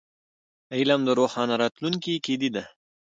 علم د روښانه راتلونکي کیلي ده.